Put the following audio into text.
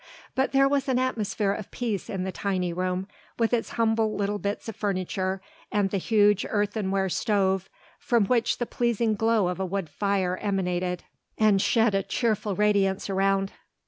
But there was an atmosphere of peace in the tiny room, with its humble little bits of furniture and the huge earthenware stove from which the pleasing glow of a wood fire emanated and shed a cheerful radiance around.